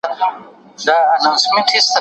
ایا استاد خپل شاګرد ته خپلواکي ورکوي؟